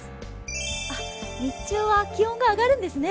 日中は気温が上がるんですね。